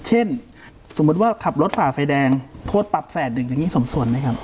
เช่นสมมุติว่าขับรถฝ่าไฟแดงโทษปรับแสนหนึ่งอย่างนี้สมส่วนไหมครับ